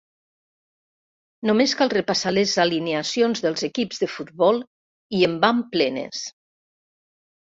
Només cal repassar les alineacions dels equips de futbol i en van plenes.